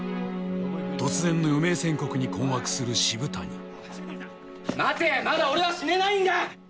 突然の余命宣告に困惑する渋谷待てまだ俺は死ねないんだ！